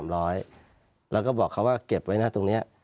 แล้วก็บอกเขาว่าเก็บไว้นะตรงนี้